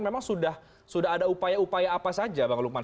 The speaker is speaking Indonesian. memang sudah ada upaya upaya apa saja bang lukman